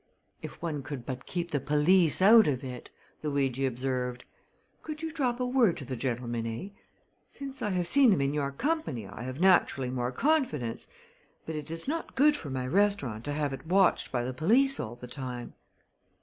"If one could but keep the police out of it!" Luigi observed. "Could you drop a word to the gentleman, sir? Since I have seen them in your company I have naturally more confidence, but it is not good for my restaurant to have it watched by the police all the time."